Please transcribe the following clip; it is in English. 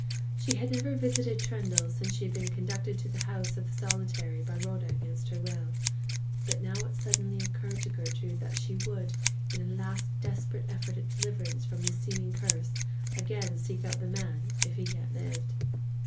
She had never revisited Trendle since she had been conducted to the house of the solitary by Rhoda against her will; but it now suddenly occurred to Gertrude that she would, in a last desperate effort at deliverance from this seeming curse, again seek out the man, if he yet lived.